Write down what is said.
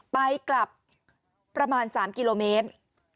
ไปกลับประมาณ๓กิโลเมตร